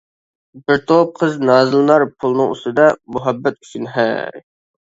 بىر توپ قىز نازلىنار پۇلنىڭ ئۈستىدە، مۇھەببەت ئۈچۈن ھەي!